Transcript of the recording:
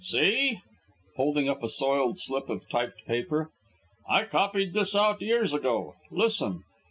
"See," holding up a soiled slip of typed paper, "I copied this out years ago. Listen.